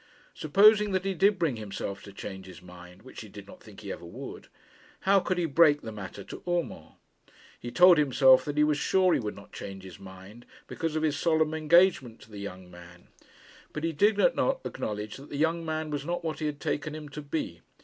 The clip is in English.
Supposing that he did bring himself to change his mind, which he did not think he ever would, how could he break the matter to Urmand? He told himself that he was sure he would not change his mind, because of his solemn engagement to the young man; but he did acknowledge that the young man was not what he had taken him to be.